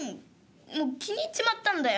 もう気に入っちまったんだよ。